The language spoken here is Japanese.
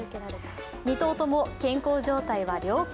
２頭とも健康状態は良好。